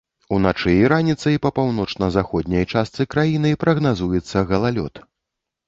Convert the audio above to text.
Уначы і раніцай па паўночна-заходняй частцы краіны прагназуецца галалёд.